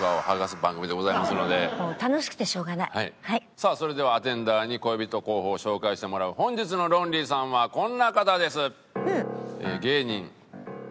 さあそれではアテンダーに恋人候補を紹介してもらう本日のロンリーさんはこんな方です。